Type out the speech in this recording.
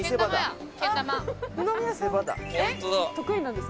得意なんですか？